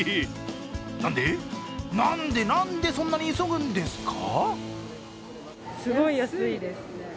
なんで、なんで、なんで、そんなに急ぐんですか？